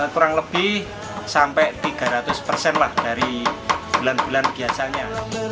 kurang lebih sampai tiga ratus persen lah dari bulan bulan biasanya